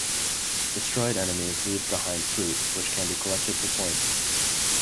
Destroyed enemies leave behind fruit which can be collected for points.